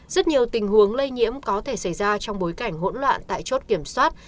rất nhiều tình huống lây nhiễm có thể xảy ra trong bối cảnh hỗn loạn tại chốt kiểm soát